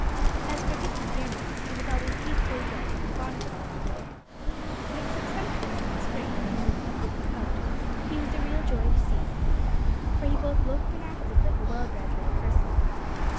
As for Dickie Deer Mouse, he was always tastefully dressed in fawn color and white. And except sometimes in the spring, when he needed a new coat, he was a real joy to see. For he both looked and acted like a well bred little person.